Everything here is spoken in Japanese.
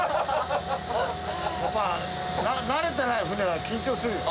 まあ慣れてない船は緊張するよ。